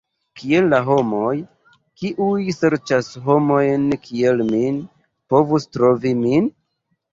Kiel la homoj, kiuj serĉas homojn kiel min, povus trovi min?